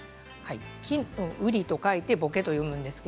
木の瓜と書いてぼけと読みます。